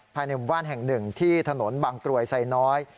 ภายในหมู่บ้านแห่งหนึ่งที่ถนนบางกรวยไซน้อย